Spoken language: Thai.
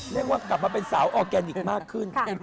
เรียกว่ากลับมาเป็นสาวออร์แกนิคมากขึ้น